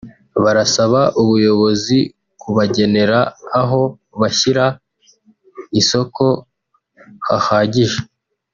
barasaba ubuyobozi kubagenera aho bashyira isoko hahagije